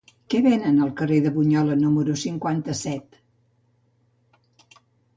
Què venen al carrer de Bunyola número cinquanta-set?